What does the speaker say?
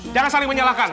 jangan saling menyalahkan